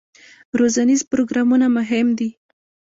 روزنیز پروګرامونه مهم دي